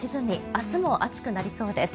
明日も暑くなりそうです。